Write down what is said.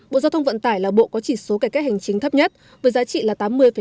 bộ giao thông vận tải là bộ có chỉ số cải cách hành chính thấp nhất với giá trị là tám mươi năm